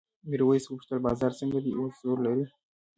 میرويس وپوښتل بازار څنګه دی اوس زور لري؟